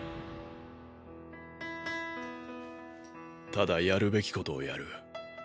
ただやるべきことをやる。